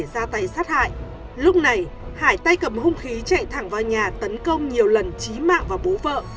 giải thách hại lúc này hải tay cầm hung khí chạy thẳng vào nhà tấn công nhiều lần chí mạng vào bố vợ